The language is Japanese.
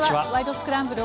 スクランブル」